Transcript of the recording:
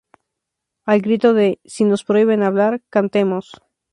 Al grito de "Si nos prohíben hablar ¡Cantemos!